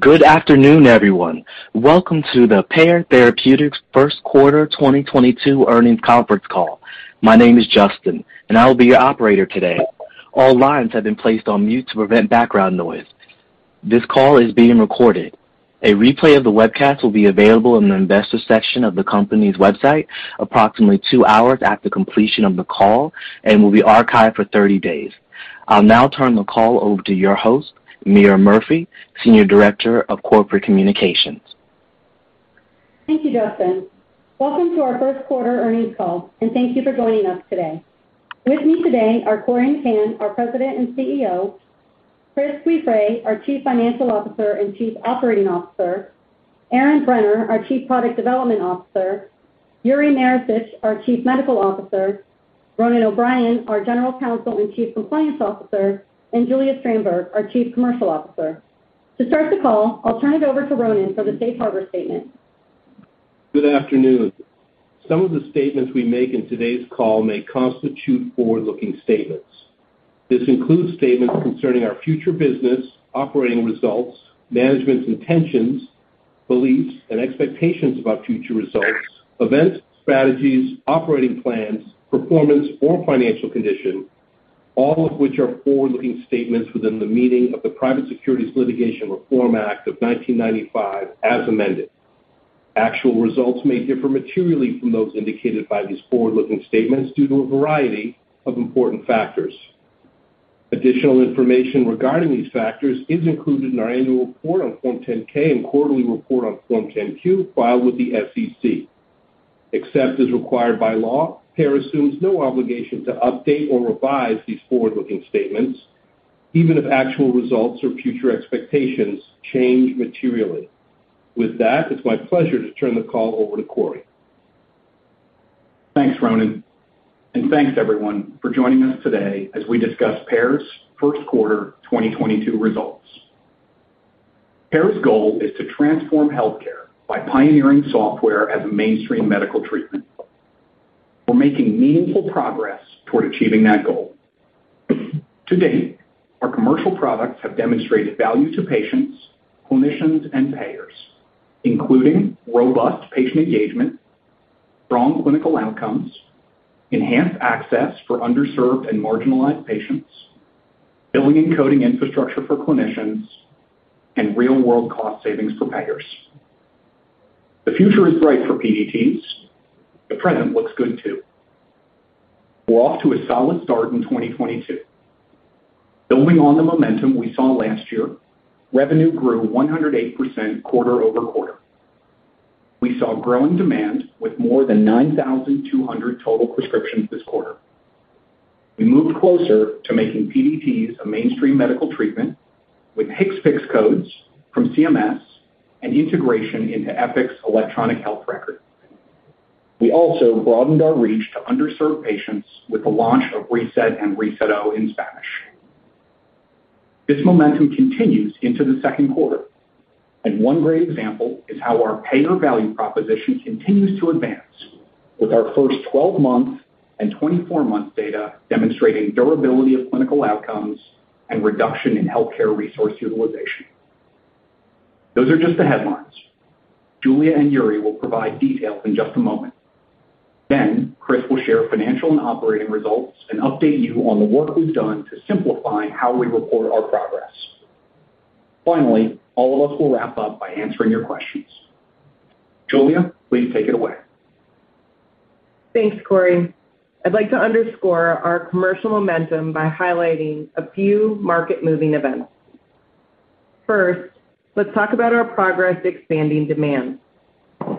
Good afternoon, everyone. Welcome to the Pear Therapeutics first quarter 2022 earnings conference call. My name is Justin, and I will be your operator today. All lines have been placed on mute to prevent background noise. This call is being recorded. A replay of the webcast will be available in the investor section of the company's website approximately 2 hours after completion of the call and will be archived for 30 days. I'll now turn the call over to your host, Meara Murphy, Senior Director of Corporate Communications. Thank you, Justin. Welcome to our first quarter earnings call, and thank you for joining us today. With me today are Corey McCann, our President and CEO, Chris Guiffre, our Chief Financial Officer and Chief Operating Officer, Erin Brenner, our Chief Product Development Officer, Yuri Maricich, our Chief Medical Officer, Ronan O'Brien, our General Counsel and Chief Compliance Officer, and Julia Strandberg, our Chief Commercial Officer. To start the call, I'll turn it over to Ronan for the safe harbor statement. Good afternoon. Some of the statements we make in today's call may constitute forward-looking statements. This includes statements concerning our future business, operating results, management's intentions, beliefs, and expectations about future results, events, strategies, operating plans, performance, or financial condition, all of which are forward-looking statements within the meaning of the Private Securities Litigation Reform Act of 1995 as amended. Actual results may differ materially from those indicated by these forward-looking statements due to a variety of important factors. Additional information regarding these factors is included in our annual report on Form 10-K and quarterly report on Form 10-Q filed with the SEC. Except as required by law, Pear assumes no obligation to update or revise these forward-looking statements even if actual results or future expectations change materially. With that, it's my pleasure to turn the call over to Corey. Thanks, Ronan. Thanks everyone for joining us today as we discuss Pear's first-quarter 2022 results. Pear's goal is to transform healthcare by pioneering software as a mainstream medical treatment. We're making meaningful progress toward achieving that goal. To date, our commercial products have demonstrated value to patients, clinicians, and payers, including robust patient engagement, strong clinical outcomes, enhanced access for underserved and marginalized patients, billing and coding infrastructure for clinicians, and real-world cost savings for payers. The future is bright for PDTs. The present looks good too. We're off to a solid start in 2022. Building on the momentum we saw last year, revenue grew 108% quarter-over-quarter. We saw growing demand with more than 9,200 total prescriptions this quarter. We moved closer to making PDTs a mainstream medical treatment with HCPCS codes from CMS and integration into Epic's electronic health record. We also broadened our reach to underserved patients with the launch of reSET and reSET-O in Spanish. This momentum continues into the second quarter, and one great example is how our payer value proposition continues to advance with our first 12-month and 24-month data demonstrating durability of clinical outcomes and reduction in healthcare resource utilization. Those are just the headlines. Julia and Yuri will provide details in just a moment. Then Chris will share financial and operating results and update you on the work we've done to simplify how we report our progress. Finally, all of us will wrap up by answering your questions. Julia, please take it away. Thanks, Corey. I'd like to underscore our commercial momentum by highlighting a few market-moving events. First, let's talk about our progress expanding demand.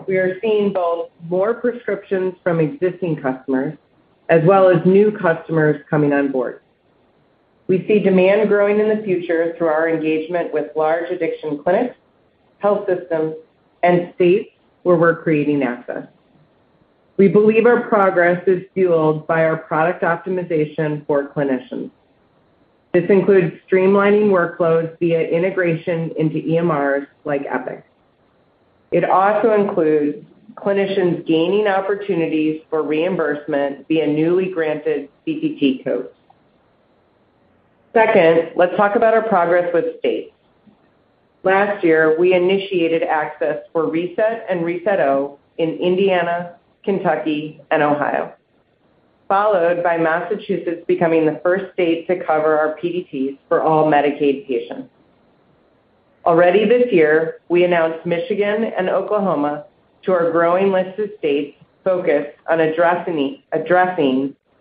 We are seeing both more prescriptions from existing customers as well as new customers coming on board. We see demand growing in the future through our engagement with large addiction clinics, health systems, and states where we're creating access. We believe our progress is fueled by our product optimization for clinicians. This includes streamlining workloads via integration into EMRs like Epic. It also includes clinicians gaining opportunities for reimbursement via newly granted CPT codes. Second, let's talk about our progress with states. Last year, we initiated access for reSET and reSET-O in Indiana, Kentucky, and Ohio, followed by Massachusetts becoming the first state to cover our PDTs for all Medicaid patients. Already this year, we announced Michigan and Oklahoma to our growing list of states focused on addressing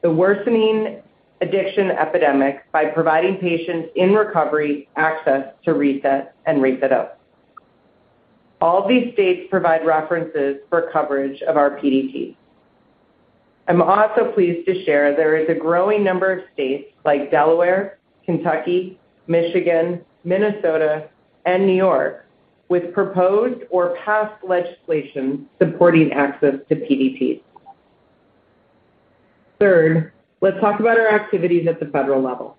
the worsening addiction epidemic by providing patients in recovery access to reSET and reSET-O. All these states provide references for coverage of our PDT. I'm also pleased to share there is a growing number of states like Delaware, Kentucky, Michigan, Minnesota, and New York with proposed or passed legislation supporting access to PDTs. Third, let's talk about our activities at the federal level.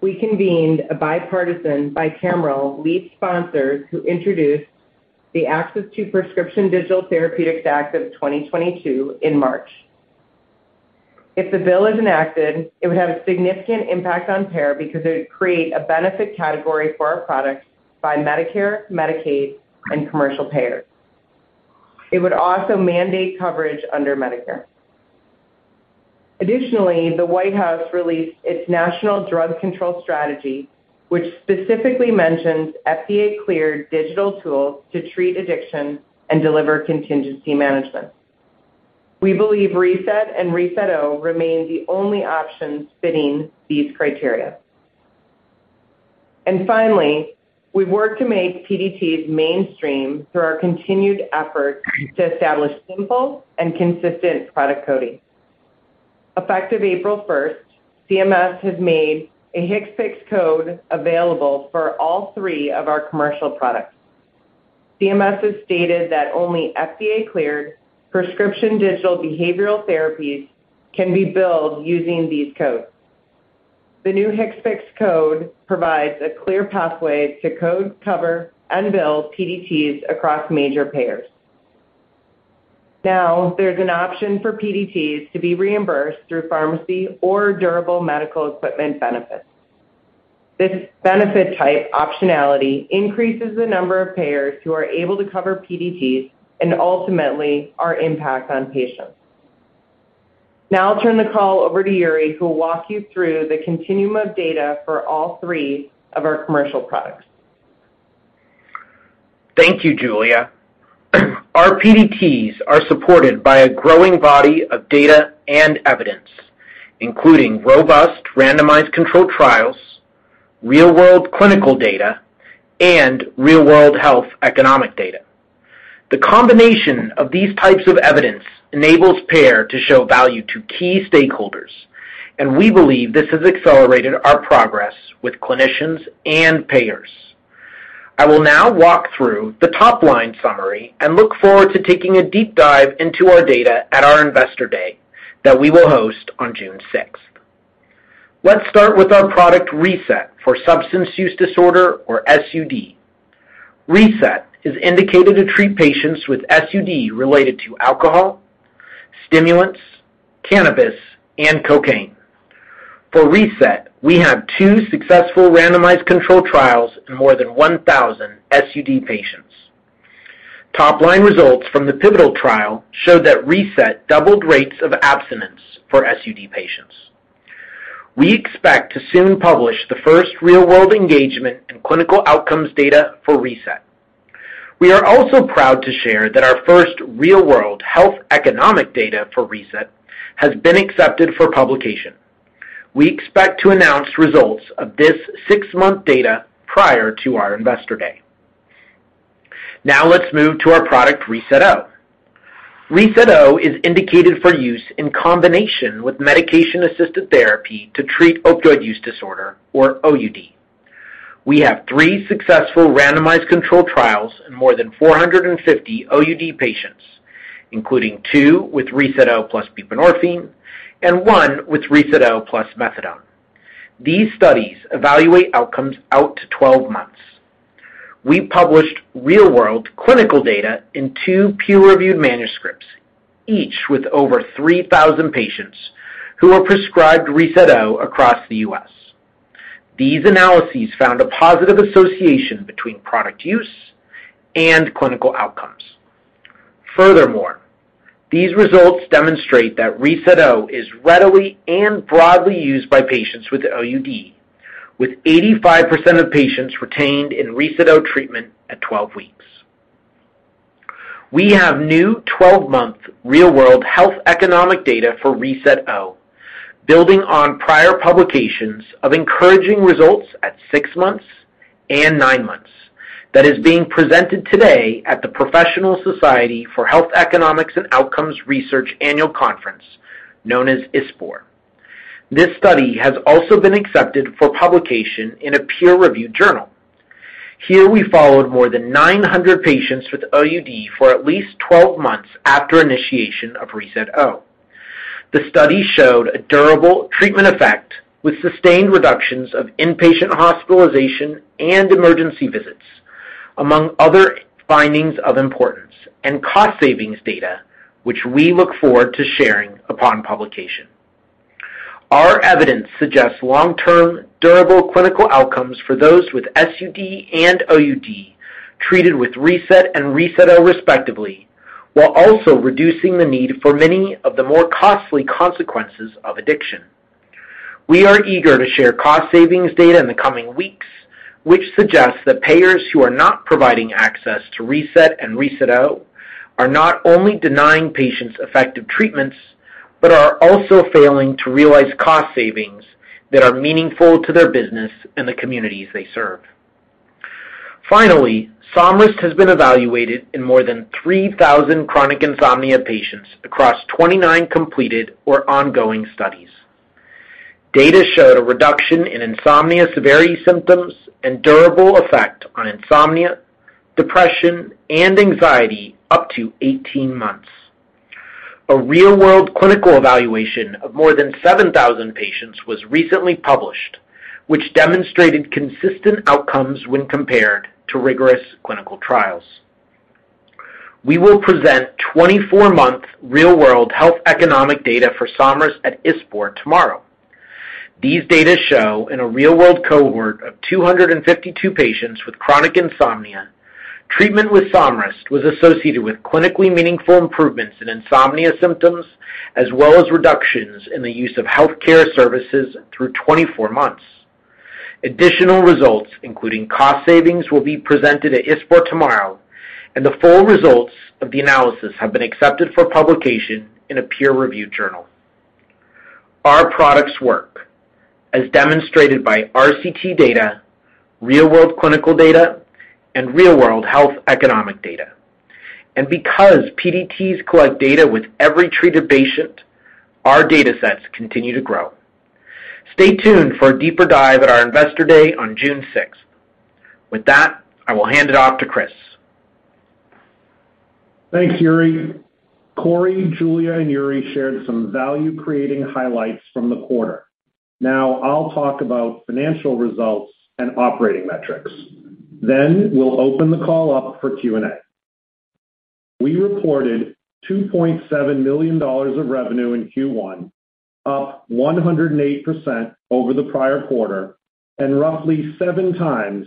We convened a bipartisan, bicameral lead sponsor who introduced the Access to Prescription Digital Therapeutics Act of 2022 in March. If the bill is enacted, it would have a significant impact on Pear because it would create a benefit category for our products by Medicare, Medicaid, and commercial payers. It would also mandate coverage under Medicare. Additionally, the White House released its national drug control strategy, which specifically mentions FDA-cleared digital tools to treat addiction and deliver contingency management. We believe reSET and reSET-O remain the only options fitting these criteria. Finally, we've worked to make PDTs mainstream through our continued efforts to establish simple and consistent product coding. Effective April 1st, CMS has made a HCPCS code available for all three of our commercial products. CMS has stated that only FDA-cleared prescription digital behavioral therapies can be billed using these codes. The new HCPCS code provides a clear pathway to code, cover, and bill PDTs across major payers. Now, there's an option for PDTs to be reimbursed through pharmacy or durable medical equipment benefits. This benefit type optionality increases the number of payers who are able to cover PDTs and ultimately our impact on patients. Now I'll turn the call over to Yuri, who will walk you through the continuum of data for all three of our commercial products. Thank you, Julia. Our PDTs are supported by a growing body of data and evidence, including robust randomized controlled trials, real-world clinical data, and real-world health economic data. The combination of these types of evidence enables payer to show value to key stakeholders, and we believe this has accelerated our progress with clinicians and payers. I will now walk through the top-line summary and look forward to taking a deep dive into our data at our Investor Day that we will host on June 6th. Let's start with our product reSET for substance use disorder or SUD. reSET is indicated to treat patients with SUD related to alcohol, stimulants, cannabis, and cocaine. For reSET, we have two successful randomized controlled trials in more than 1,000 SUD patients. Top-line results from the pivotal trial showed that reSET doubled rates of abstinence for SUD patients. We expect to soon publish the first real-world engagement and clinical outcomes data for reSET. We are also proud to share that our first real-world health economic data for reSET has been accepted for publication. We expect to announce results of this six-month data prior to our Investor Day. Now let's move to our product reSET-O. reSET-O is indicated for use in combination with medication-assisted therapy to treat opioid use disorder or OUD. We have three successful randomized controlled trials in more than 450 OUD patients, including two with reSET-O plus buprenorphine and one with reSET-O plus methadone. These studies evaluate outcomes out to 12 months. We published real-world clinical data in two peer-reviewed manuscripts, each with over 3,000 patients who were prescribed reSET-O across the U.S. These analyses found a positive association between product use and clinical outcomes. Furthermore, these results demonstrate that reSET-O is readily and broadly used by patients with OUD, with 85% of patients retained in reSET-O treatment at 12 weeks. We have new 12-month real-world health economic data for reSET-O building on prior publications of encouraging results at six months and nine months that is being presented today at the Professional Society for Health Economics and Outcomes Research Annual Conference, known as ISPOR. This study has also been accepted for publication in a peer-reviewed journal. Here, we followed more than 900 patients with OUD for at least 12 months after initiation of reSET-O. The study showed a durable treatment effect with sustained reductions of inpatient hospitalization and emergency visits, among other findings of importance and cost savings data, which we look forward to sharing upon publication. Our evidence suggests long-term durable clinical outcomes for those with SUD and OUD treated with reSET and reSET-O respectively, while also reducing the need for many of the more costly consequences of addiction. We are eager to share cost savings data in the coming weeks, which suggests that payers who are not providing access to reSET and reSET-O are not only denying patients effective treatments, but are also failing to realize cost savings that are meaningful to their business and the communities they serve. Finally, Somryst has been evaluated in more than 3,000 chronic insomnia patients across 29 completed or ongoing studies. Data showed a reduction in insomnia severity symptoms and durable effect on insomnia, depression, and anxiety up to 18 months. A real-world clinical evaluation of more than 7,000 patients was recently published, which demonstrated consistent outcomes when compared to rigorous clinical trials. We will present 24-month real world health economic data for Somryst at ISPOR tomorrow. These data show in a real world cohort of 252 patients with chronic insomnia. Treatment with Somryst was associated with clinically meaningful improvements in insomnia symptoms, as well as reductions in the use of healthcare services through 24 months. Additional results, including cost savings, will be presented at ISPOR tomorrow, and the full results of the analysis have been accepted for publication in a peer-reviewed journal. Our products work as demonstrated by RCT data, real world clinical data, and real world health economic data. Because PDTs collect data with every treated patient, our datasets continue to grow. Stay tuned for a deeper dive at our investor day on June 6th. With that, I will hand it off to Chris. Thanks, Yuri. Corey, Julia, and Yuri shared some value creating highlights from the quarter. Now I'll talk about financial results and operating metrics. Then we'll open the call up for Q&A. We reported $2.7 million of revenue in Q1, up 108% over the prior quarter and roughly 7x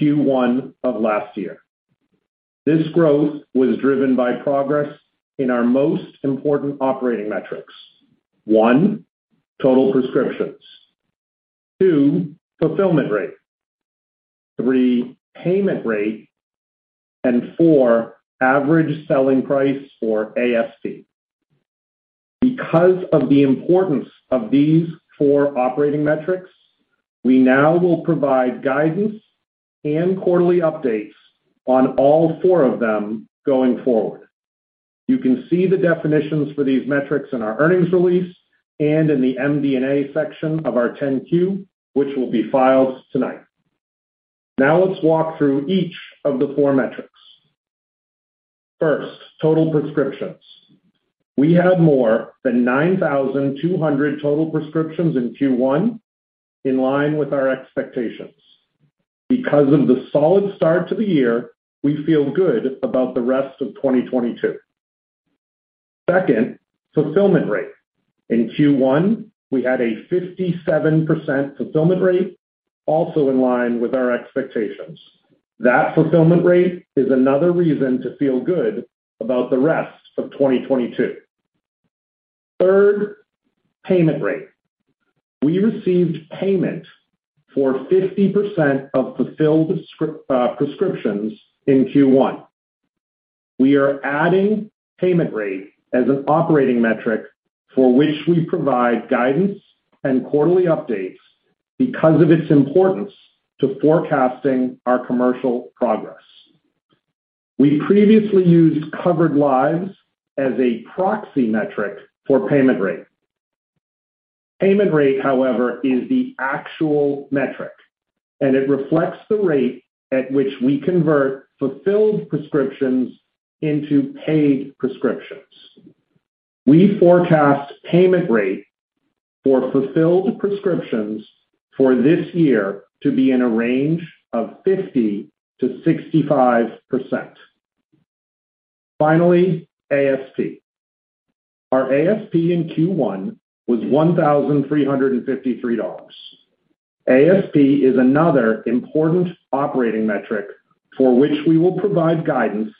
Q1 of last year. This growth was driven by progress in our most important operating metrics. One, total prescriptions. Two, fulfillment rate. Three, payment rate. And four, average selling price, or ASP. Because of the importance of these four operating metrics, we now will provide guidance and quarterly updates on all four of them going forward. You can see the definitions for these metrics in our earnings release and in the MD&A section of our 10-Q, which will be filed tonight. Now let's walk through each of the four metrics. First, total prescriptions. We had more than 9,200 total prescriptions in Q1, in line with our expectations. Because of the solid start to the year, we feel good about the rest of 2022. Second, fulfillment rate. In Q1, we had a 57% fulfillment rate, also in line with our expectations. That fulfillment rate is another reason to feel good about the rest of 2022. Third, payment rate. We received payment for 50% of fulfilled prescriptions in Q1. We are adding payment rate as an operating metric for which we provide guidance and quarterly updates because of its importance to forecasting our commercial progress. We previously used covered lives as a proxy metric for payment rate. Payment rate, however, is the actual metric, and it reflects the rate at which we convert fulfilled prescriptions into paid prescriptions. We forecast payment rate for fulfilled prescriptions for this year to be in a range of 50%-65%. Finally, ASP. Our ASP in Q1 was $1,353. ASP is another important operating metric for which we will provide guidance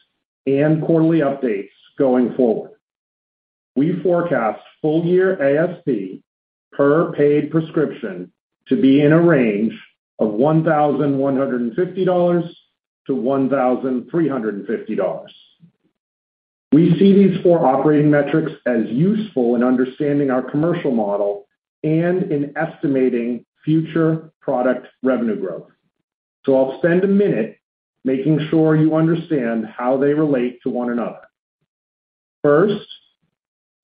and quarterly updates going forward. We forecast full year ASP per paid prescription to be in a range of $1,150-$1,350. We see these four operating metrics as useful in understanding our commercial model and in estimating future product revenue growth. I'll spend a minute making sure you understand how they relate to one another. First,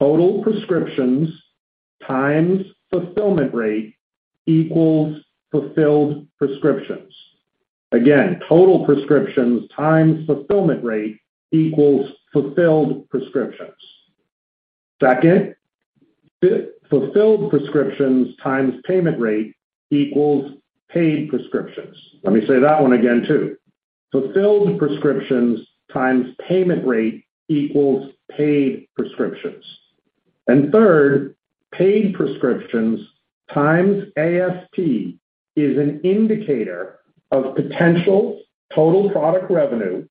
total prescriptions times fulfillment rate equals fulfilled prescriptions. Again, total prescriptions times fulfillment rate equals fulfilled prescriptions. Second, fulfilled prescriptions times payment rate equals paid prescriptions. Let me say that one again too. Fulfilled prescriptions times payment rate equals paid prescriptions. Third, paid prescriptions times ASP is an indicator of potential total product revenue,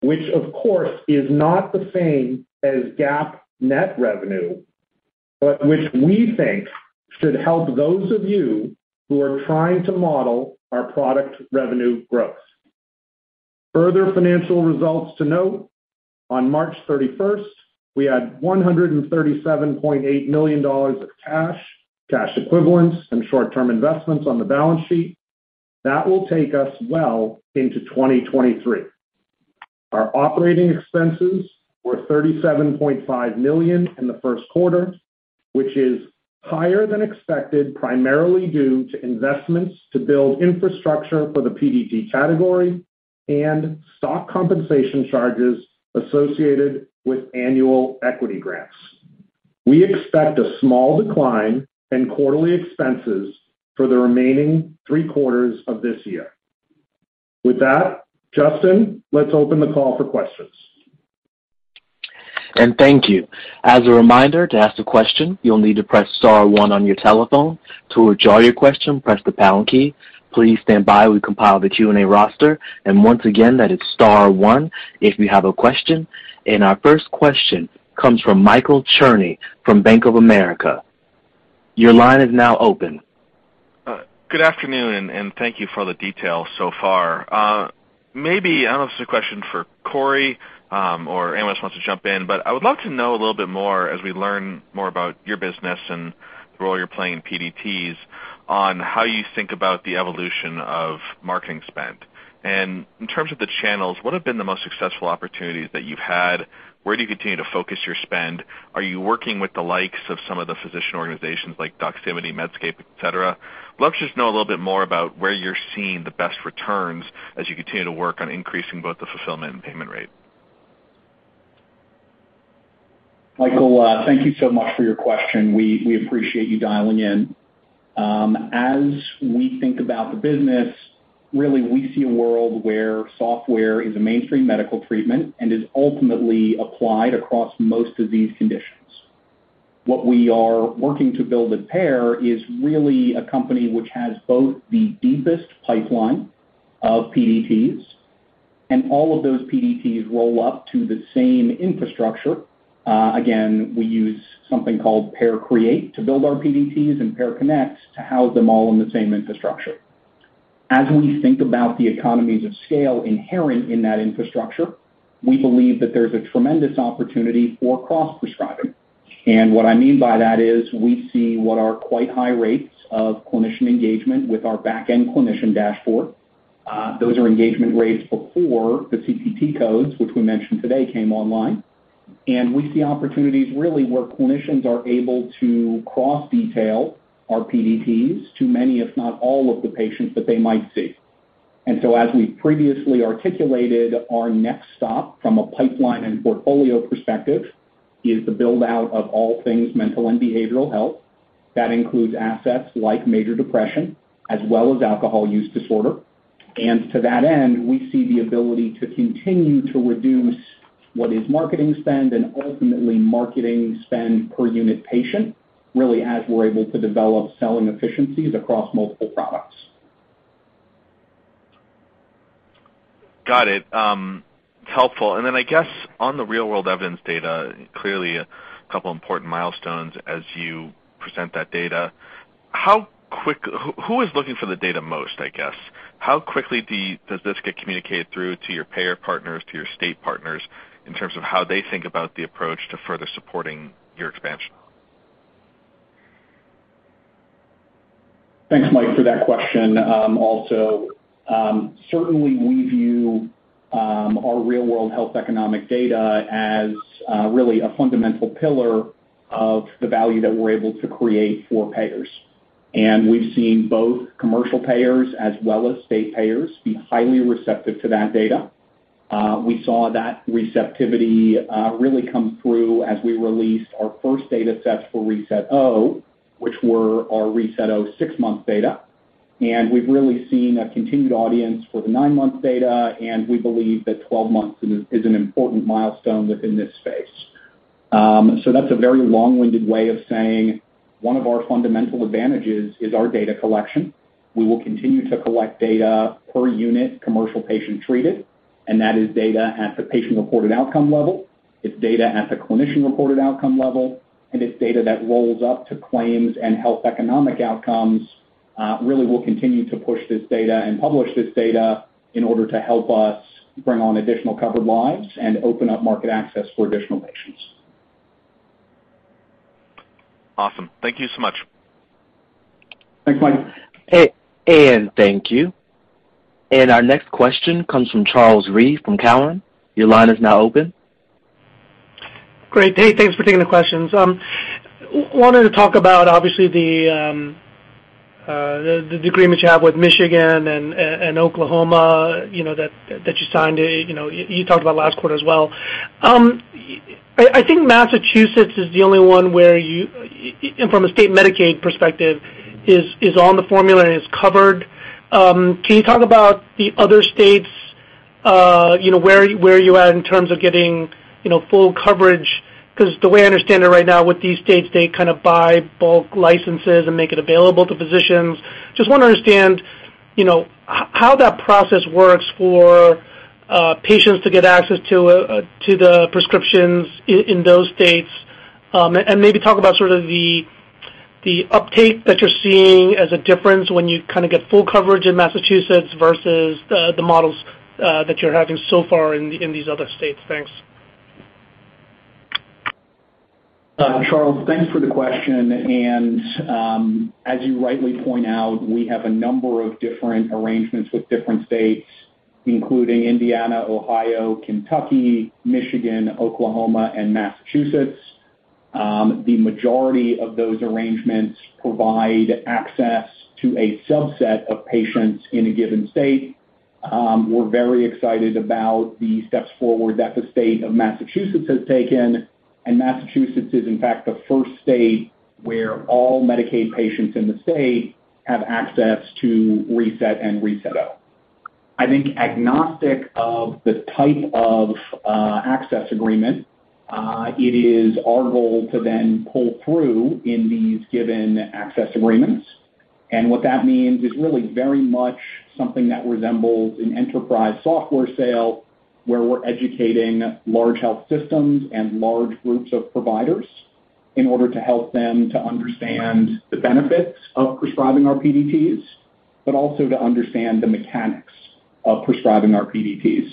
which of course is not the same as GAAP net revenue, but which we think should help those of you who are trying to model our product revenue growth. Further financial results to note. On March 31st, we had $137.8 million of cash equivalents, and short-term investments on the balance sheet. That will take us well into 2023. Our operating expenses were $37.5 million in the first quarter, which is higher than expected, primarily due to investments to build infrastructure for the PDT category and stock compensation charges associated with annual equity grants. We expect a small decline in quarterly expenses for the remaining three quarters of this year. With that, Justin, let's open the call for questions. Thank you. As a reminder, to ask a question, you'll need to press star one on your telephone. To withdraw your question, press the pound key. Please stand by. We compile the Q&A roster, and once again, that is star one if you have a question. Our first question comes from Michael Cherny from Bank of America. Your line is now open. Good afternoon, and thank you for all the details so far. Maybe, I don't know if this is a question for Corey, or anyone else wants to jump in, but I would love to know a little bit more as we learn more about your business and the role you're playing in PDTs on how you think about the evolution of marketing spend. In terms of the channels, what have been the most successful opportunities that you've had? Where do you continue to focus your spend? Are you working with the likes of some of the physician organizations like Doximity, Medscape, et cetera? I'd love to just know a little bit more about where you're seeing the best returns as you continue to work on increasing both the fulfillment and payment rate. Michael, thank you so much for your question. We appreciate you dialing in. As we think about the business, really, we see a world where software is a mainstream medical treatment and is ultimately applied across most disease conditions. What we are working to build at Pear is really a company which has both the deepest pipeline of PDTs and all of those PDTs roll up to the same infrastructure. Again, we use something called PearCreate to build our PDTs and PearConnect to house them all in the same infrastructure. As we think about the economies of scale inherent in that infrastructure, we believe that there's a tremendous opportunity for cross-prescribing. What I mean by that is we see what are quite high rates of clinician engagement with our back-end clinician dashboard. Those are engagement rates before the CPT codes, which we mentioned today, came online. We see opportunities really where clinicians are able to cross-detail our PDTs to many, if not all, of the patients that they might see. As we previously articulated, our next stop from a pipeline and portfolio perspective is the build-out of all things mental and behavioral health. That includes assets like major depression as well as alcohol use disorder. To that end, we see the ability to continue to reduce what is marketing spend and ultimately marketing spend per unit patient, really as we're able to develop selling efficiencies across multiple products. Got it. Helpful. I guess on the real-world evidence data, clearly a couple important milestones as you present that data. Who is looking for the data most, I guess? How quickly does this get communicated through to your payer partners, to your state partners in terms of how they think about the approach to further supporting your expansion? Thanks, Mike, for that question. Also, certainly we view our real-world health economic data as really a fundamental pillar of the value that we're able to create for payers. We've seen both commercial payers as well as state payers be highly receptive to that data. We saw that receptivity really come through as we released our first data sets for reSET-O, which were our reSET-O six-month data. We've really seen a continued audience for the nine-month data, and we believe that 12 months is an important milestone within this space. That's a very long-winded way of saying one of our fundamental advantages is our data collection. We will continue to collect data per unit commercial patient treated, and that is data at the patient-reported outcome level, it's data at the clinician-reported outcome level, and it's data that rolls up to claims and health economic outcomes. Really, we'll continue to push this data and publish this data in order to help us bring on additional covered lives and open up market access for additional patients. Awesome. Thank you so much. Thanks, Mike. Thank you. Our next question comes from Charles Rhyee from Cowen. Your line is now open. Great. Hey, thanks for taking the questions. Wanted to talk about obviously the agreement you have with Michigan and Oklahoma, you know, that you signed, you know, you talked about last quarter as well. I think Massachusetts is the only one where you, from a state Medicaid perspective is on the formula and is covered. Can you talk about the other states, you know, where you at in terms of getting, you know, full coverage? 'Cause the way I understand it right now with these states, they kinda buy bulk licenses and make it available to physicians. Just wanna understand, you know, how that process works for patients to get access to the prescriptions in those states, and maybe talk about sort of the uptake that you're seeing as a difference when you kinda get full coverage in Massachusetts versus the models that you're having so far in these other states. Thanks. Charles, thanks for the question. As you rightly point out, we have a number of different arrangements with different states, including Indiana, Ohio, Kentucky, Michigan, Oklahoma, and Massachusetts. The majority of those arrangements provide access to a subset of patients in a given state. We're very excited about the steps forward that the state of Massachusetts has taken, and Massachusetts is in fact the first state where all Medicaid patients in the state have access to reSET and reSET-O. I think agnostic of the type of access agreement, it is our goal to then pull through in these given access agreements. What that means is really very much something that resembles an enterprise software sale, where we're educating large health systems and large groups of providers in order to help them to understand the benefits of prescribing our PDTs, but also to understand the mechanics of prescribing our PDTs.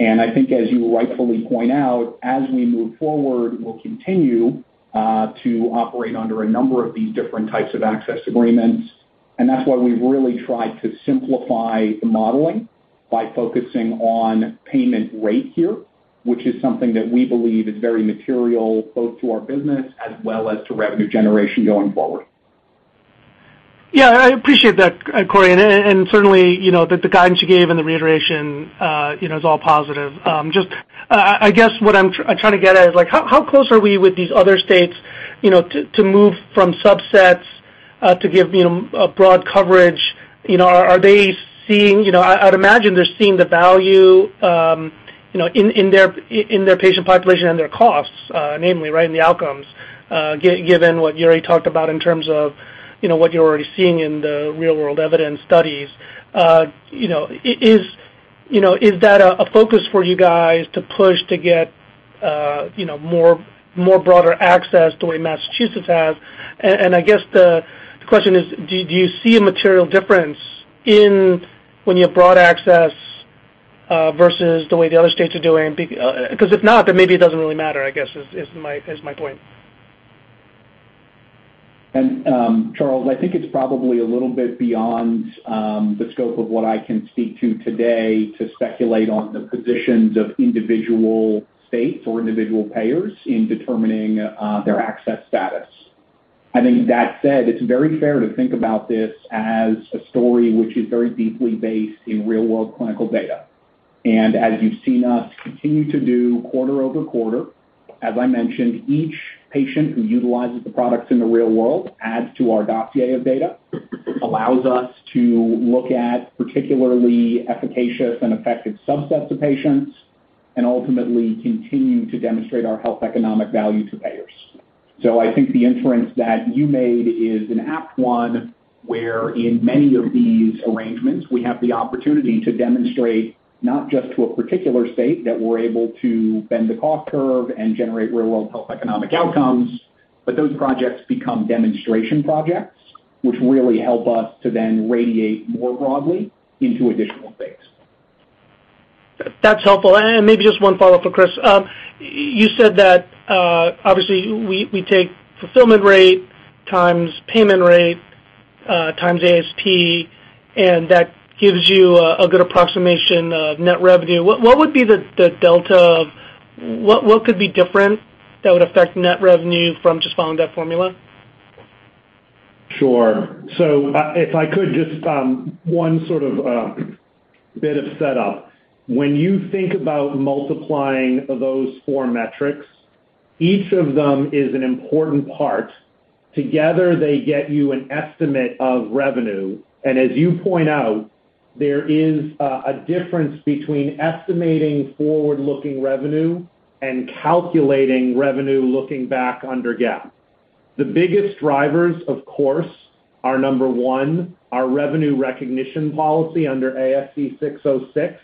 I think as you rightfully point out, as we move forward, we'll continue to operate under a number of these different types of access agreements, and that's why we've really tried to simplify the modeling by focusing on payment rate here, which is something that we believe is very material both to our business as well as to revenue generation going forward. Yeah, I appreciate that, Corey. Certainly, you know, the guidance you gave and the reiteration, you know, is all positive. Just I guess what I'm trying to get at is like how close are we with these other states, you know, to move from subsets to give, you know, a broad coverage? You know, are they seeing? You know, I'd imagine they're seeing the value, you know, in their patient population and their costs, namely right, in the outcomes, given what you already talked about in terms of, you know, what you're already seeing in the real world evidence studies. You know, is that a focus for you guys to push to get, you know, more broader access the way Massachusetts has? I guess the question is, do you see a material difference in when you have broad access versus the way the other states are doing? 'Cause if not, then maybe it doesn't really matter. I guess is my point. Charles Rhyee, I think it's probably a little bit beyond the scope of what I can speak to today to speculate on the positions of individual states or individual payers in determining their access status. I think that said, it's very fair to think about this as a story which is very deeply based in real world clinical data. As you've seen us continue to do quarter-over-quarter, as I mentioned, each patient who utilizes the products in the real world adds to our dossier of data, allows us to look at particularly efficacious and effective subsets of patients, and ultimately continue to demonstrate our health economic value to payers. I think the inference that you made is an apt one, where in many of these arrangements, we have the opportunity to demonstrate not just to a particular state that we're able to bend the cost curve and generate real world health economic outcomes, but those projects become demonstration projects, which really help us to then radiate more broadly into additional states. That's helpful. Maybe just one follow-up for Chris. You said that, obviously we take fulfillment rate times payment rate, times ASP, and that gives you a good approximation of net revenue. What would be the delta. What could be different that would affect net revenue from just following that formula? Sure. If I could just one sort of bit of setup. When you think about multiplying those four metrics, each of them is an important part. Together, they get you an estimate of revenue. As you point out, there is a difference between estimating forward-looking revenue and calculating revenue looking back under GAAP. The biggest drivers, of course, are number one, our revenue recognition policy under ASC 606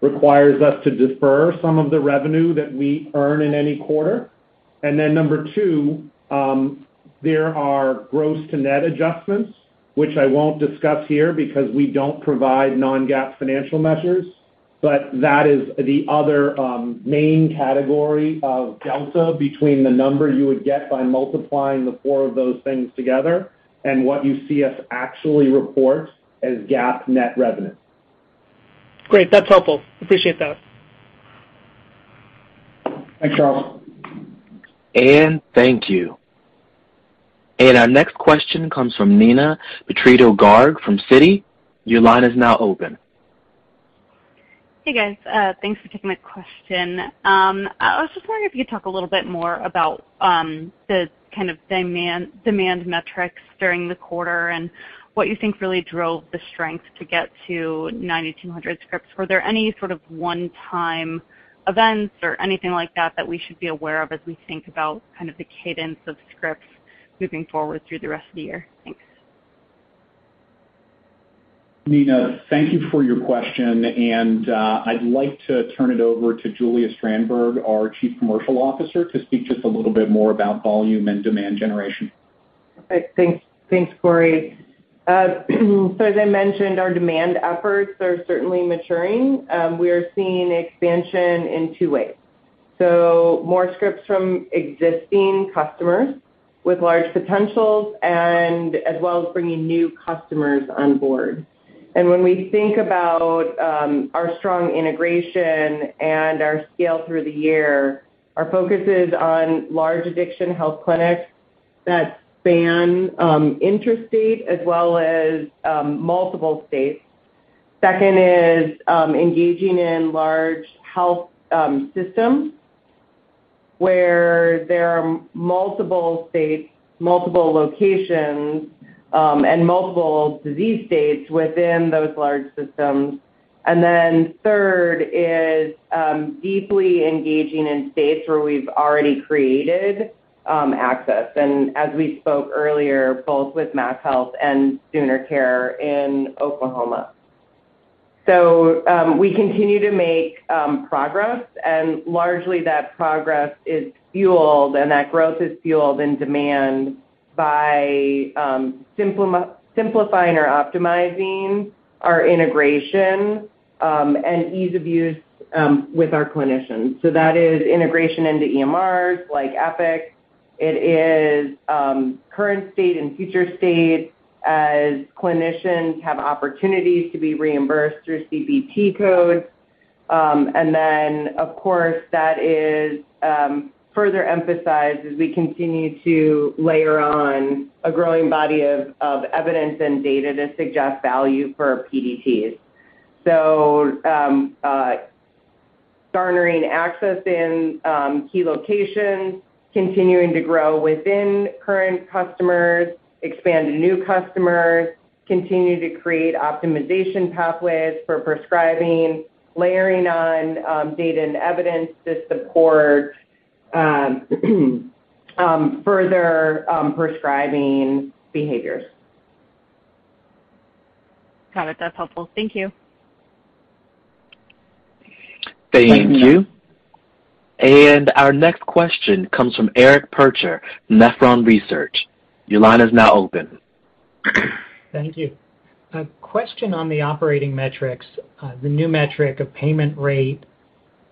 requires us to defer some of the revenue that we earn in any quarter. Number two, there are gross to net adjustments, which I won't discuss here because we don't provide non-GAAP financial measures. That is the other main category of delta between the number you would get by multiplying the four of those things together and what you see us actually report as GAAP net revenue. Great. That's helpful. Appreciate that. Thanks, Charles. Thank you. Our next question comes from Neena Bitritto-Garg from Citi. Your line is now open. Hey, guys. Thanks for taking my question. I was just wondering if you could talk a little bit more about the kind of demand metrics during the quarter and what you think really drove the strength to get to 9,200 scripts. Were there any sort of one-time events or anything like that we should be aware of as we think about kind of the cadence of scripts moving forward through the rest of the year? Thanks. Neena, thank you for your question. I'd like to turn it over to Julia Strandberg, our Chief Commercial Officer, to speak just a little bit more about volume and demand generation. Okay, thanks. Thanks, Corey. As I mentioned, our demand efforts are certainly maturing. We're seeing expansion in two ways. More scripts from existing customers with large potentials and as well as bringing new customers on board. When we think about our strong integration and our scale through the year, our focus is on large addiction health clinics that span intrastate as well as multiple states. Second is engaging in large health systems where there are multiple states, multiple locations, and multiple disease states within those large systems. Then third is deeply engaging in states where we've already created access, and as we spoke earlier, both with MassHealth and SoonerCare in Oklahoma. We continue to make progress, and largely that progress and growth is fueled by demand by simplifying or optimizing our integration and ease of use with our clinicians. That is integration into EMRs like Epic. It is current state and future state as clinicians have opportunities to be reimbursed through CPT codes. Of course, that is further emphasized as we continue to layer on a growing body of evidence and data to suggest value for our PDTs. Garnering access in key locations, continuing to grow within current customers, expand to new customers, continue to create optimization pathways for prescribing, layering on data and evidence to support further prescribing behaviors. Got it. That's helpful. Thank you. Thank you. Our next question comes from Eric Percher, Nephron Research. Your line is now open. Thank you. A question on the operating metrics, the new metric of payment rate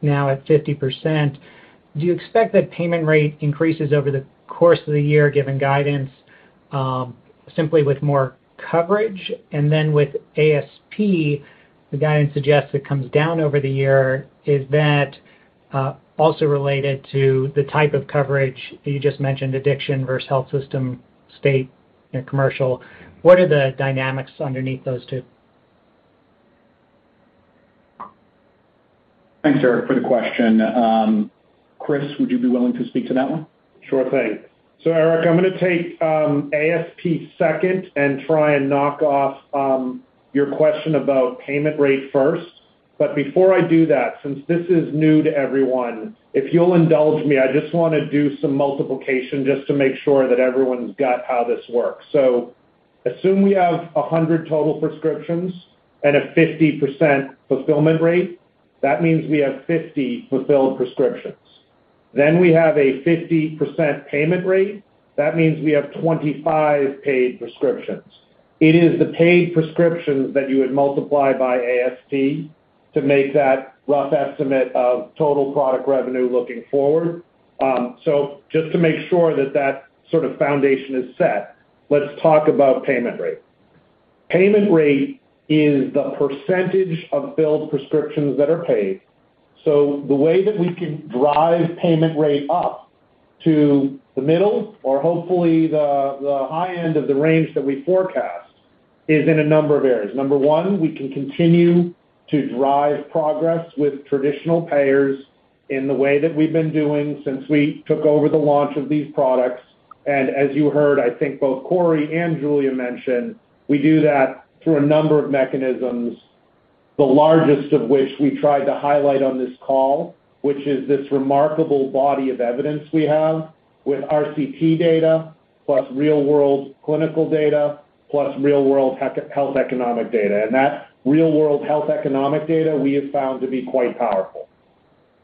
now at 50%. Do you expect that payment rate increases over the course of the year given guidance, simply with more coverage? With ASP, the guidance suggests it comes down over the year. Is that also related to the type of coverage that you just mentioned, addiction versus health system, state, you know, commercial? What are the dynamics underneath those two? Thanks, Eric, for the question. Chris, would you be willing to speak to that one? Sure thing. Eric, I'm gonna take ASP second and try and knock off your question about payment rate first. Before I do that, since this is new to everyone, if you'll indulge me, I just wanna do some multiplication just to make sure that everyone's got how this works. Assume we have 100 total prescriptions and a 50% fulfillment rate. That means we have 50 fulfilled prescriptions. Then we have a 50% payment rate. That means we have 25 paid prescriptions. It is the paid prescriptions that you would multiply by ASP to make that rough estimate of total product revenue looking forward. Just to make sure that that sort of foundation is set, let's talk about payment rate. Payment rate is the percentage of billed prescriptions that are paid. The way that we can drive payment rate up to the middle or hopefully the high end of the range that we forecast is in a number of areas. Number one, we can continue to drive progress with traditional payers in the way that we've been doing since we took over the launch of these products. As you heard, I think both Corey and Julia mention, we do that through a number of mechanisms, the largest of which we tried to highlight on this call, which is this remarkable body of evidence we have with RCT data, plus real-world clinical data, plus real-world health economic data. That real-world health economic data, we have found to be quite powerful.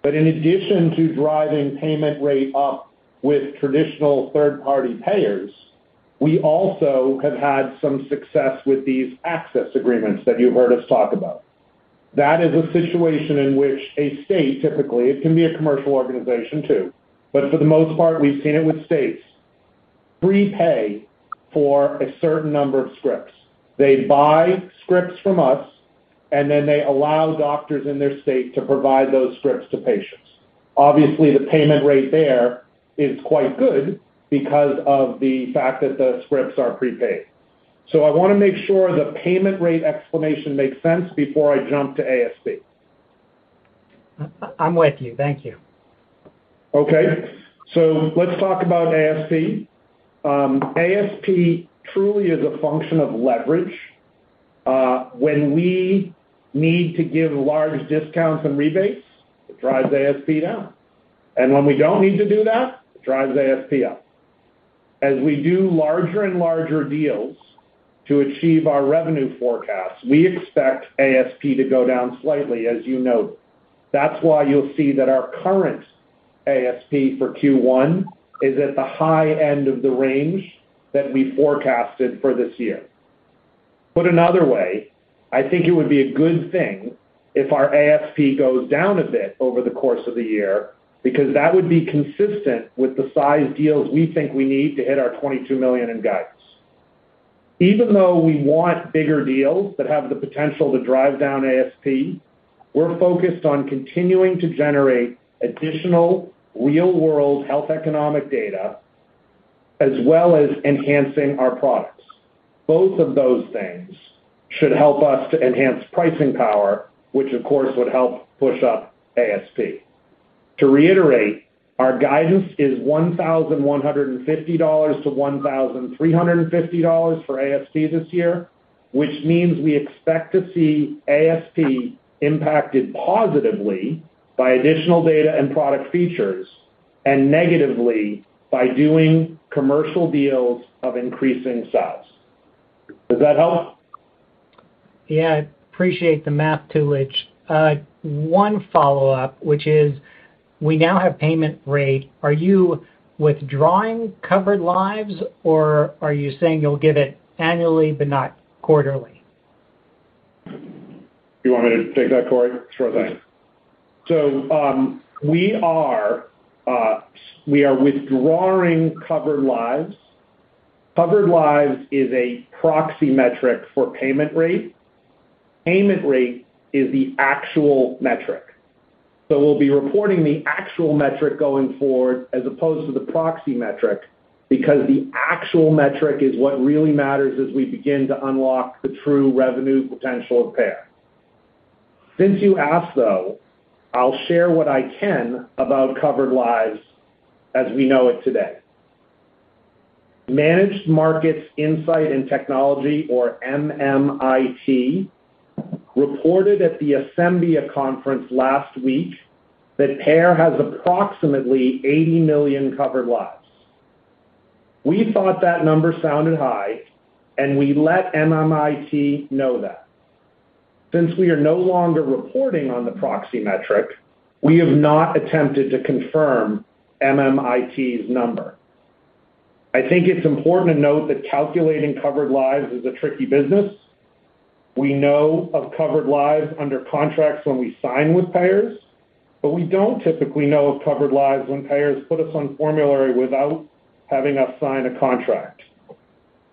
In addition to driving payment rate up with traditional third-party payers, we also have had some success with these access agreements that you heard us talk about. That is a situation in which a state, typically, it can be a commercial organization too, but for the most part, we've seen it with states, prepay for a certain number of scripts. They buy scripts from us, and then they allow doctors in their state to provide those scripts to patients. Obviously, the payment rate there is quite good because of the fact that the scripts are prepaid. I wanna make sure the payment rate explanation makes sense before I jump to ASP. I'm with you. Thank you. Okay. Let's talk about ASP. ASP truly is a function of leverage. When we need to give large discounts and rebates, it drives ASP down. When we don't need to do that, it drives ASP up. As we do larger and larger deals to achieve our revenue forecasts, we expect ASP to go down slightly, as you note. That's why you'll see that our current ASP for Q1 is at the high end of the range that we forecasted for this year. Put another way, I think it would be a good thing if our ASP goes down a bit over the course of the year because that would be consistent with the size deals we think we need to hit our $22 million in guidance. Even though we want bigger deals that have the potential to drive down ASP, we're focused on continuing to generate additional real-world health economic data as well as enhancing our products. Both of those things should help us to enhance pricing power, which of course, would help push up ASP. To reiterate, our guidance is $1,150-$1,350 for ASP this year, which means we expect to see ASP impacted positively by additional data and product features, and negatively by doing commercial deals of increasing size. Does that help? Yeah, I appreciate the management's guidance. One follow-up, which is we now have payment rate. Are you withholding covered lives, or are you saying you'll give it annually but not quarterly? You want me to take that, Corey? Sure thing. We are withdrawing covered lives. Covered lives is a proxy metric for payment rate. Payment rate is the actual metric. We'll be reporting the actual metric going forward as opposed to the proxy metric, because the actual metric is what really matters as we begin to unlock the true revenue potential of Pear. Since you asked, though, I'll share what I can about covered lives as we know it today. Managed Markets Insight & Technology, or MMIT, reported at the Asembia conference last week that Pear has approximately 80 million covered lives. We thought that number sounded high, and we let MMIT know that. Since we are no longer reporting on the proxy metric, we have not attempted to confirm MMIT's number. I think it's important to note that calculating covered lives is a tricky business. We know of covered lives under contracts when we sign with payers, but we don't typically know of covered lives when payers put us on formulary without having us sign a contract.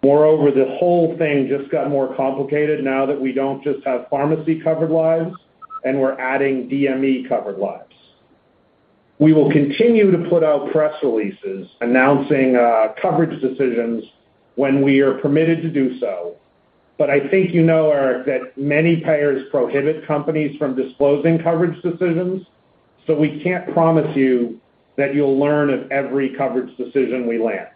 Moreover, the whole thing just got more complicated now that we don't just have pharmacy-covered lives and we're adding DME-covered lives. We will continue to put out press releases announcing coverage decisions when we are permitted to do so. I think you know, Eric, that many payers prohibit companies from disclosing coverage decisions, so we can't promise you that you'll learn of every coverage decision we land.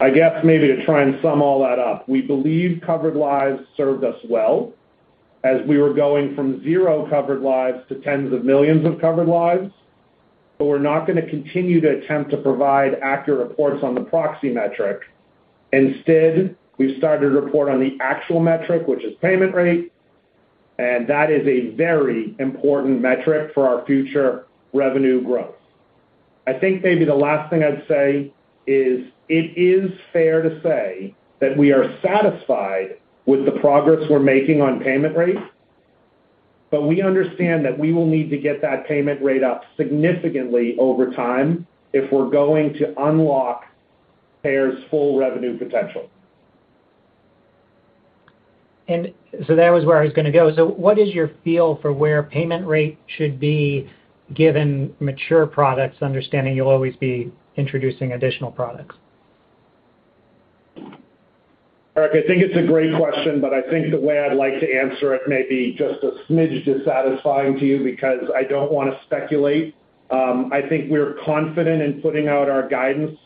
I guess maybe to try and sum all that up, we believe covered lives served us well as we were going from 0 covered lives to tens of millions of covered lives, but we're not gonna continue to attempt to provide accurate reports on the proxy metric. Instead, we've started to report on the actual metric, which is payment rate, and that is a very important metric for our future revenue growth. I think maybe the last thing I'd say is it is fair to say that we are satisfied with the progress we're making on payment rate, but we understand that we will need to get that payment rate up significantly over time if we're going to unlock Pear's full revenue potential. That was where I was gonna go. What is your feel for where payment rate should be given mature products, understanding you'll always be introducing additional products? Eric, I think it's a great question, but I think the way I'd like to answer it may be just a smidge dissatisfying to you because I don't wanna speculate. I think we're confident in putting out our guidance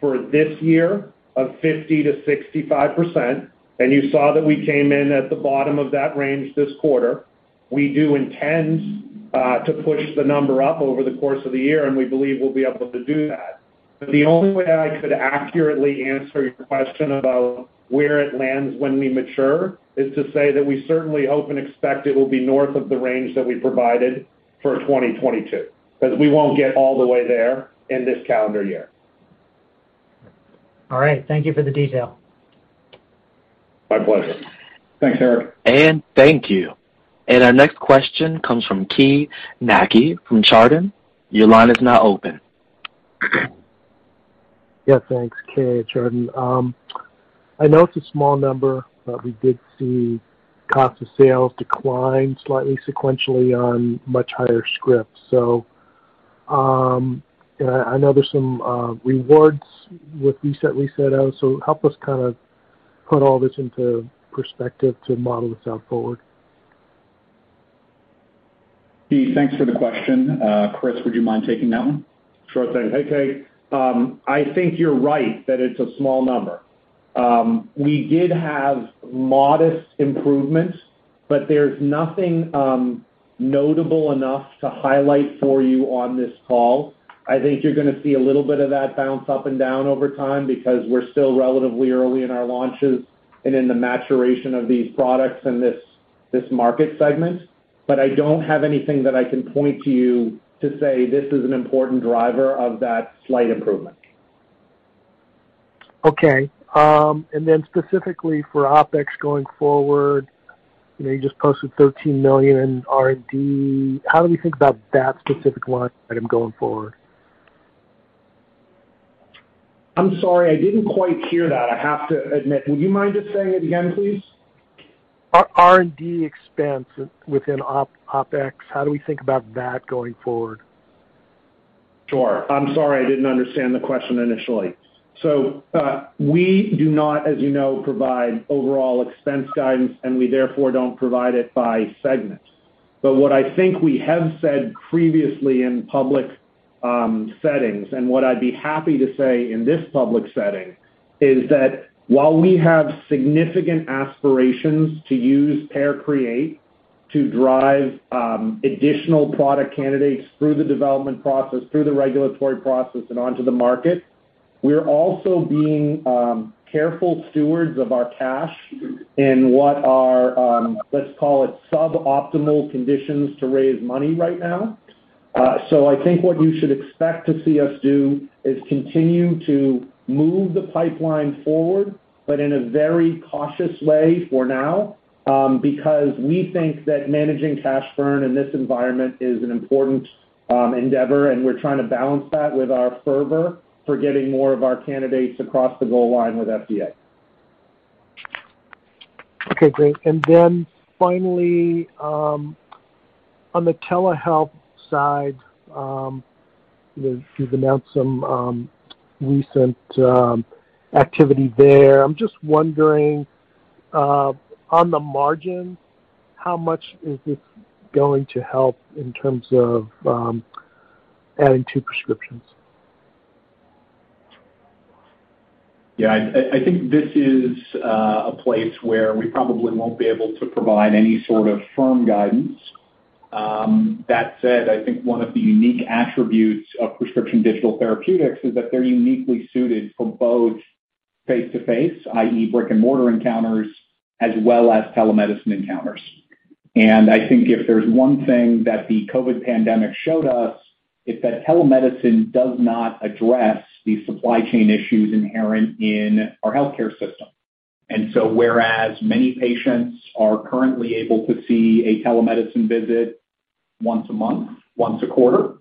for this year of 50%-65%, and you saw that we came in at the bottom of that range this quarter. We do intend to push the number up over the course of the year, and we believe we'll be able to do that. The only way I could accurately answer your question about where it lands when we mature is to say that we certainly hope and expect it will be north of the range that we provided for 2022, 'cause we won't get all the way there in this calendar year. All right. Thank you for the detail. My pleasure. Thanks, Eric. Thank you. Our next question comes from Keay Nakae from Chardan. Your line is now open. Thanks, Keay at Chardan. I know it's a small number, but we did see cost of sales decline slightly sequentially on much higher scripts. I know there's some headwinds with recent reSET-O, so help us kinda put all this into perspective to model this out forward. Keay Nakae, thanks for the question. Chris Guiffre, would you mind taking that one? Sure thing. Hey, Keay Nakae. I think you're right that it's a small number. We did have modest improvements, but there's nothing notable enough to highlight for you on this call. I think you're gonna see a little bit of that bounce up and down over time because we're still relatively early in our launches and in the maturation of these products and this market segment. I don't have anything that I can point to you to say this is an important driver of that slight improvement. Okay. Specifically for OpEx going forward, you know, you just posted $13 million in R&D. How do we think about that specific line item going forward? I'm sorry, I didn't quite hear that, I have to admit. Would you mind just saying it again, please? R&D expense within OpEx, how do we think about that going forward? Sure. I'm sorry, I didn't understand the question initially. We do not, as you know, provide overall expense guidance, and we therefore don't provide it by segment. What I think we have said previously in public settings, and what I'd be happy to say in this public setting, is that while we have significant aspirations to use Pear Create to drive additional product candidates through the development process, through the regulatory process, and onto the market, we're also being careful stewards of our cash in what are, let's call it sub-optimal conditions to raise money right now. I think what you should expect to see us do is continue to move the pipeline forward, but in a very cautious way for now, because we think that managing cash burn in this environment is an important endeavor, and we're trying to balance that with our fervor for getting more of our candidates across the goal line with FDA. Okay, great. Finally, on the telehealth side, you've announced some recent activity there. I'm just wondering, on the margin, how much is this going to help in terms of adding to prescriptions? Yeah. I think this is a place where we probably won't be able to provide any sort of firm guidance. That said, I think one of the unique attributes of prescription digital therapeutics is that they're uniquely suited for both face-to-face, i.e., brick-and-mortar encounters, as well as telemedicine encounters. I think if there's one thing that the COVID pandemic showed us, it's that telemedicine does not address the supply chain issues inherent in our healthcare system. Whereas many patients are currently able to see a telemedicine visit once a month, once a quarter,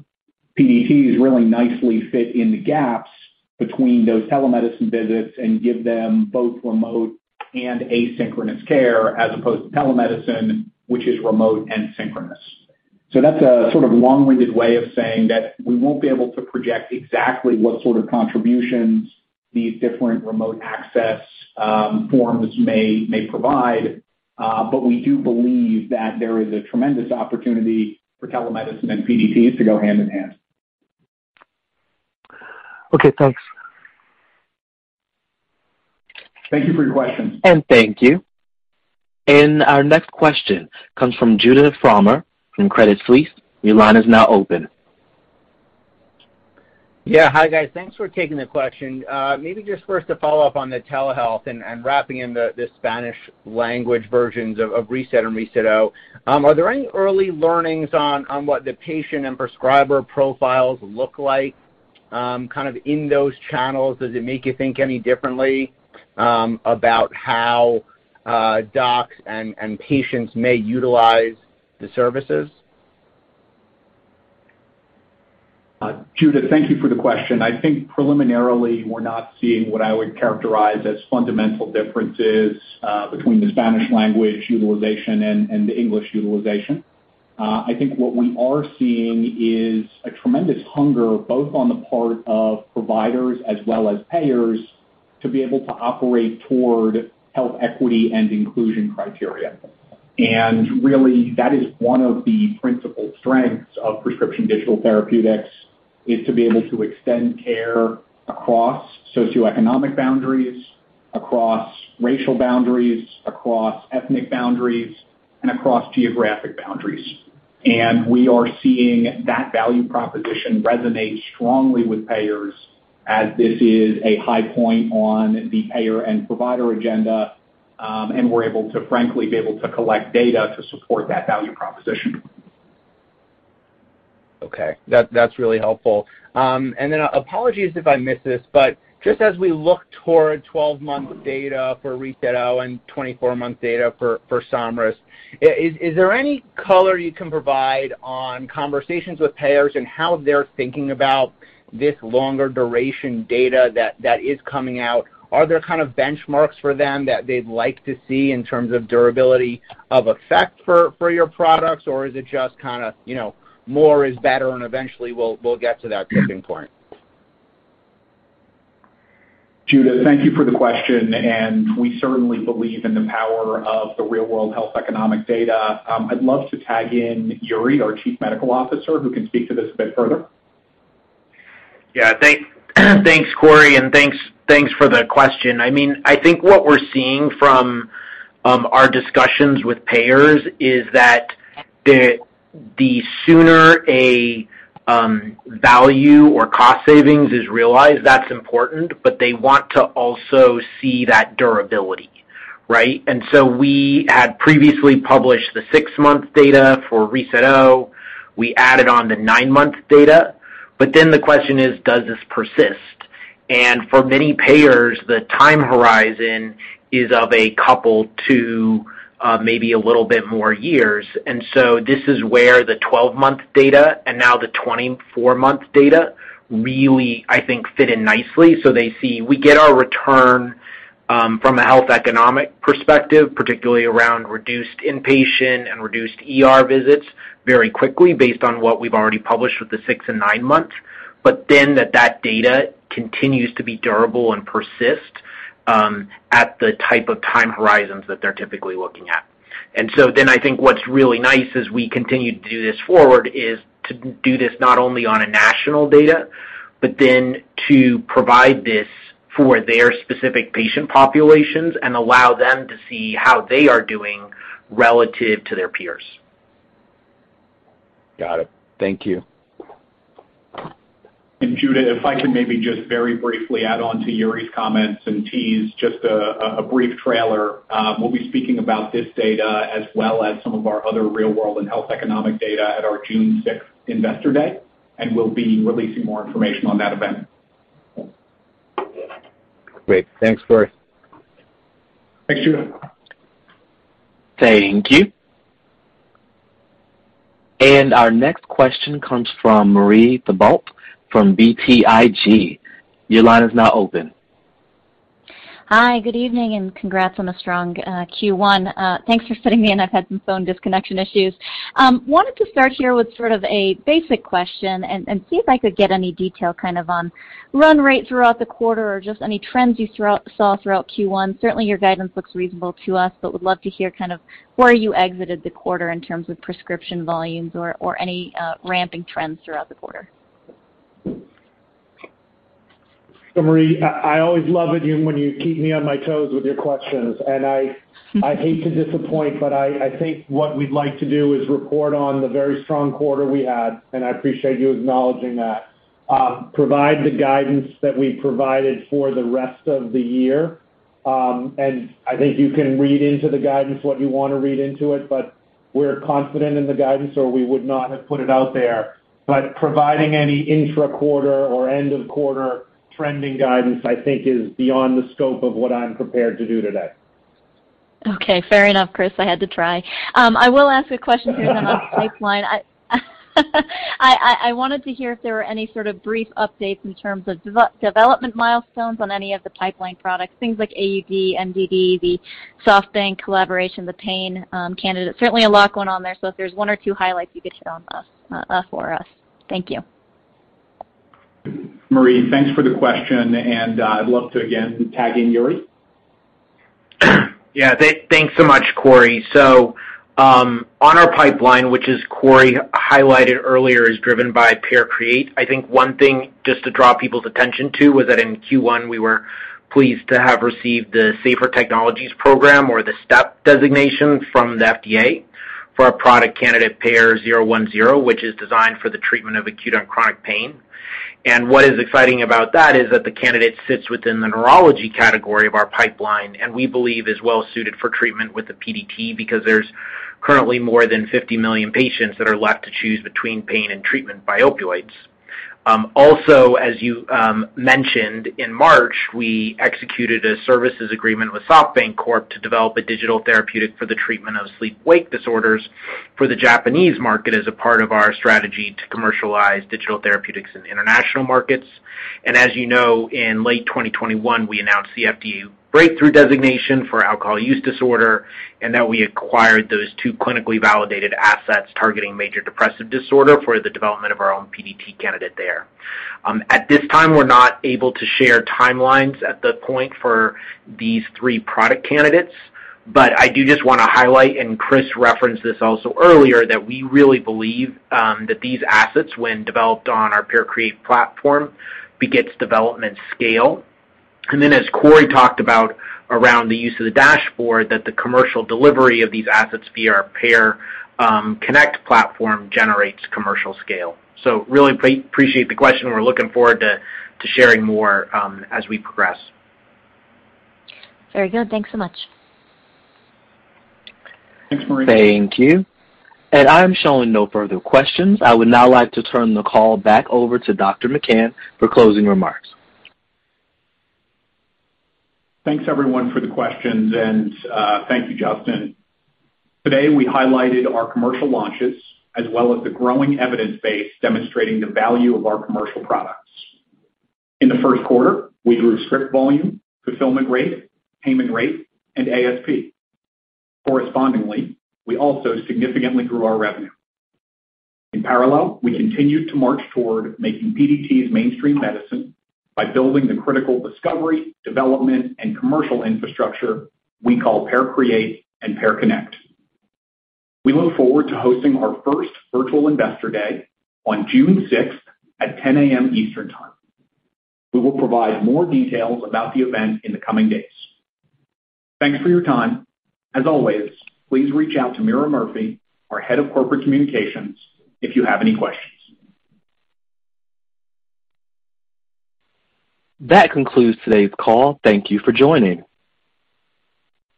PDTs really nicely fit in the gaps between those telemedicine visits and give them both remote and asynchronous care, as opposed to telemedicine, which is remote and synchronous. That's a sort of long-winded way of saying that we won't be able to project exactly what sort of contributions these different remote access forms may provide, but we do believe that there is a tremendous opportunity for telemedicine and PDTs to go hand-in-hand. Okay, thanks. Thank you for your question. Thank you. Our next question comes from Judah Frommer from Credit Suisse. Your line is now open. Yeah. Hi, guys. Thanks for taking the question. Maybe just first a follow-up on the telehealth and wrapping in the Spanish language versions of reSET and reSET-O. Are there any early learnings on what the patient and prescriber profiles look like, kind of in those channels? Does it make you think any differently about how docs and patients may utilize the services? Judah, thank you for the question. I think preliminarily, we're not seeing what I would characterize as fundamental differences between the Spanish language utilization and the English utilization. I think what we are seeing is a tremendous hunger, both on the part of providers as well as payers, to be able to operate toward health equity and inclusion criteria. Really, that is one of the principal strengths of prescription digital therapeutics, is to be able to extend care across socioeconomic boundaries, across racial boundaries, across ethnic boundaries, and across geographic boundaries. We are seeing that value proposition resonate strongly with payers as this is a high point on the payer and provider agenda, and we're able to frankly be able to collect data to support that value proposition. Okay. That's really helpful. Apologies if I missed this, but just as we look toward 12-month data for reSET-O and 24-month data for Somryst, is there any color you can provide on conversations with payers and how they're thinking about this longer duration data that is coming out? Are there kind of benchmarks for them that they'd like to see in terms of durability of effect for your products, or is it just kinda, you know, more is better and eventually we'll get to that tipping point? Judah, thank you for the question, and we certainly believe in the power of the real world health economic data. I'd love to tag in Yuri, our Chief Medical Officer, who can speak to this a bit further. Yeah. Thanks, Corey, and thanks for the question. I mean, I think what we're seeing from our discussions with payers is that the sooner a value or cost savings is realized, that's important, but they want to also see that durability, right? We had previously published the six-month data for reSET-O. We added on the nine-month data. The question is, does this persist? For many payers, the time horizon is of a couple to maybe a little bit more years. This is where the 12-month data and now the 24-month data really, I think, fit in nicely. They see we get our return from a health economic perspective, particularly around reduced inpatient and reduced ER visits very quickly based on what we've already published with the six and nine months. that data continues to be durable and persist at the type of time horizons that they're typically looking at. I think what's really nice as we continue to do this forward is to do this not only on a national data, but then to provide this for their specific patient populations and allow them to see how they are doing relative to their peers. Got it. Thank you. Judah, if I can maybe just very briefly add on to Yuri's comments and tease just a brief trailer. We'll be speaking about this data as well as some of our other real-world and health economic data at our June 6th investor day, and we'll be releasing more information on that event. Great. Thanks, Corey. Thanks, Judah. Thank you. Our next question comes from Marie Thibault, from BTIG. Your line is now open. Hi, good evening, and congrats on a strong Q1. Thanks for fitting me in. I've had some phone disconnection issues. Wanted to start here with sort of a basic question and see if I could get any detail kind of on run rate throughout the quarter or just any trends you saw throughout Q1. Certainly, your guidance looks reasonable to us, but would love to hear kind of where you exited the quarter in terms of prescription volumes or any ramping trends throughout the quarter. Marie, I always love it when you keep me on my toes with your questions, and I hate to disappoint, but I think what we'd like to do is report on the very strong quarter we had, and I appreciate you acknowledging that. Provide the guidance that we provided for the rest of the year, and I think you can read into the guidance what you want to read into it, but we're confident in the guidance, or we would not have put it out there. Providing any intra-quarter or end-of-quarter trending guidance, I think is beyond the scope of what I'm prepared to do today. Okay, fair enough, Chris. I had to try. I will ask a question here then on the pipeline. I wanted to hear if there were any sort of brief updates in terms of development milestones on any of the pipeline products, things like AUD, MDD, the SoftBank collaboration, the pain candidate. Certainly a lot going on there. If there's one or two highlights you could hit on for us. Thank you. Marie, thanks for the question, and, I'd love to again tag in Yuri. Yeah, thanks so much, Corey. On our pipeline, which as Corey highlighted earlier is driven by PearCreate, I think one thing just to draw people's attention to was that in Q1, we were pleased to have received the Safer Technologies Program or the STEP designation from the FDA for our product candidate PEAR-010, which is designed for the treatment of acute and chronic pain. What is exciting about that is that the candidate sits within the neurology category of our pipeline and we believe is well suited for treatment with the PDT because there's currently more than 50 million patients that are left to choose between pain and treatment by opioids. Also as you mentioned, in March, we executed a services agreement with SoftBank Corp. to develop a digital therapeutic for the treatment of sleep wake disorders for the Japanese market as a part of our strategy to commercialize digital therapeutics in the international markets. As you know, in late 2021, we announced the FDA breakthrough designation for alcohol use disorder and that we acquired those two clinically validated assets targeting major depressive disorder for the development of our own PDT candidate there. At this time, we're not able to share timelines at the point for these three product candidates. I do just wanna highlight, and Chris referenced this also earlier, that we really believe that these assets, when developed on our PearCreate platform, begets development scale. As Corey talked about around the use of the dashboard, that the commercial delivery of these assets via our PearConnect platform generates commercial scale. Really appreciate the question. We're looking forward to sharing more as we progress. Very good. Thanks so much. Thanks, Marie. Thank you. I'm showing no further questions. I would now like to turn the call back over to Dr. McCann for closing remarks. Thanks, everyone, for the questions, and thank you, Justin. Today, we highlighted our commercial launches as well as the growing evidence base demonstrating the value of our commercial products. In the first quarter, we grew script volume, fulfillment rate, payment rate, and ASP. Correspondingly, we also significantly grew our revenue. In parallel, we continued to march toward making PDTs mainstream medicine by building the critical discovery, development, and commercial infrastructure we call PearCreate and PearConnect. We look forward to hosting our first virtual investor day on June 6th at 10:00 A.M. Eastern Time. We will provide more details about the event in the coming days. Thanks for your time. As always, please reach out to Meara Murphy, our head of corporate communications, if you have any questions. That concludes today's call. Thank you for joining.